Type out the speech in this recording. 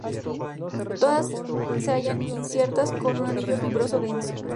Todas se hallan insertas en un anillo fibroso denso.